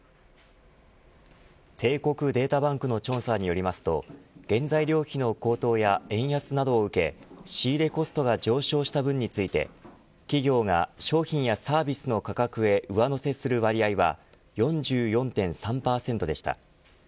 帝国データバンクの調査によりますと原材料費の高騰や円安などを受け仕入れコストが上昇した分について企業が商品やサービスの価格へ上乗せする割合は４４．３％でした。